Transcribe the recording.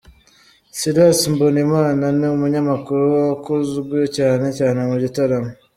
Silas Mbonimana, ni umunyamakuru wakunzwe cyane cyane mu gitaramo.